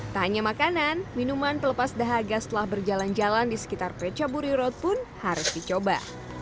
tak hanya makanan minuman pelepas dahaga setelah berjalan jalan di sekitar peca buri road pun harus dicoba